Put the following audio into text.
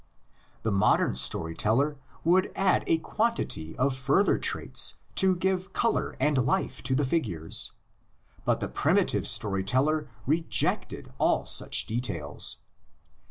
The modern story teller would add a quantity of further traits to give color and life to the figures, but the primitive story teller rejected all such details.